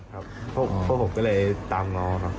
ครับพวกผมก็เลยตามง้อ